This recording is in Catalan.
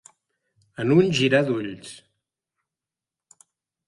En un girar d'ulls.